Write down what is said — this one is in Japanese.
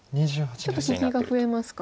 ちょっと利きが増えますか。